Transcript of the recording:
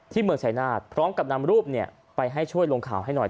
เมืองชายนาฏพร้อมกับนำรูปไปให้ช่วยลงข่าวให้หน่อย